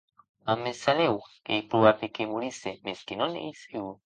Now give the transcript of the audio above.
O mèsalèu ei probable que morisse, mès que non ei segur.